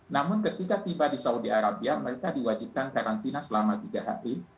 namun ketika tiba di saudi arabia mereka diwajibkan karantina selama tiga hari